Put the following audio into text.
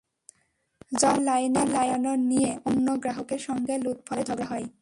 জমা দেওয়ার লাইনে দাঁড়ানো নিয়ে অন্য গ্রাহকের সঙ্গে লুৎফরের ঝগড়া হয়।